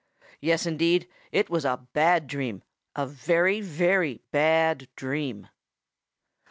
Yes, indeed, it was a bad dream, a very, very bad dream!